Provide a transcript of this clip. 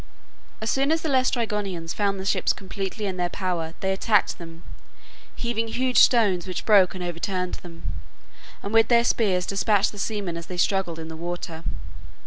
As soon as the Laestrygonians found the ships completely in their power they attacked them, heaving huge stones which broke and overturned them, and with their spears despatched the seamen as they struggled in the water.